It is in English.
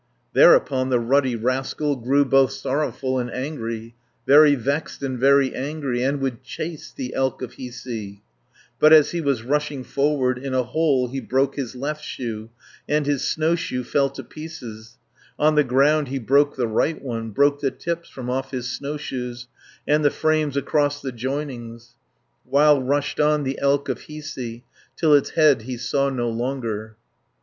Thereupon the ruddy rascal Grew both sorrowful and angry, Very vexed and very angry, And would chase the elk of Hiisi, 250 But as he was rushing forward, In a hole he broke his left shoe, And his snowshoe fell to pieces, On the ground he broke the right one, Broke the tips from off his snowshoes, And the frames across the joinings. While rushed on the elk of Hiisi, Till its head he saw no longer.